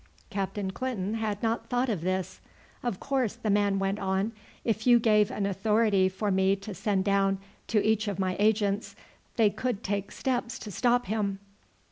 Captain Clinton had not thought of this. "Of course," the man went on, "if you gave an authority for me to send down to each of my agents, they could take steps to stop him."